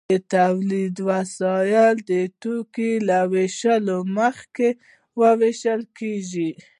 د تولید وسایل د توکو له ویشلو مخکې ویشل کیږي.